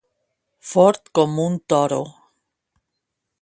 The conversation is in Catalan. Fort com un toro.